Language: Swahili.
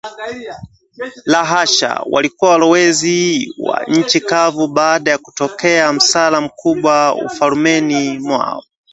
La hasha, walikuwa walowezi wa nchi kavu baada ya kutokea msala mkubwa ufalmeni kwao